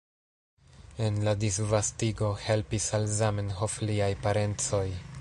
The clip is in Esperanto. En la disvastigo helpis al Zamenhof liaj parencoj.